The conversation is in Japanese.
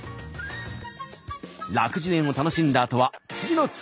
楽寿園を楽しんだあとは次のツアーコース探し。